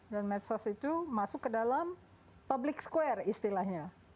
dan medsos itu masuk ke dalam public square istilahnya